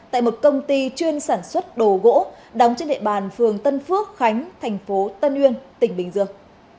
tại một công ty chuyên sản xuất đồ gỗ đóng trên địa bàn phường tân phước khánh thành phố tân uyên tỉnh bình dương